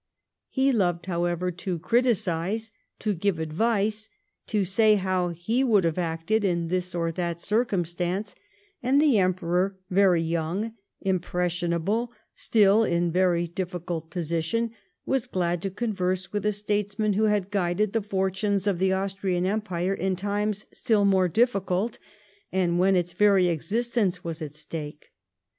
He loved, however, to criticise, to give advice, to say how he would have acted in this or that circumstance ; and the Emperor, very young, impressionable, still in very difficult position, was Mad to converse with a statesman who had ffuided the fortunes of the Austrian Empire in times still more difficult, and when its very existence was at stake.